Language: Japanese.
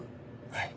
はい。